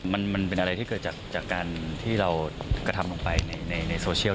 มันเป็นอะไรที่เกิดจากการที่เรากระทำลงไปในโซเชียล